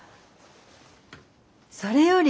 それより。